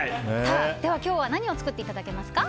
では今日は何を作っていただけますか。